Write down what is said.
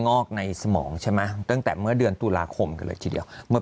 งอกในสมองใช่ไหมตั้งแต่เมื่อเดือนตุลาคมกันเลยทีเดียวเมื่อ